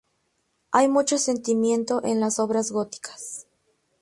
Hay mucho sentimiento en las obras góticas.